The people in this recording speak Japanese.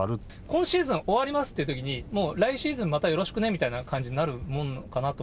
今シーズン終わりますっていうときに、もう来シーズン、またよろしくねみたいな感じになるものなのかな